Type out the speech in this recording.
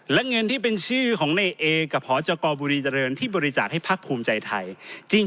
และเงินที่เป็นชื่อของในเอกับพจกบุรีเจริญที่บริจาคให้พักภูมิใจไทย